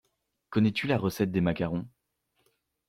Connais-tu la recette des macarons?